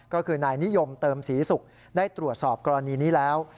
ก็คือนายนิยมเติมศรีศุกร์ได้ตรวจสอบกรณีนี้แล้ว